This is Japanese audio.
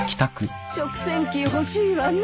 食洗機欲しいわね。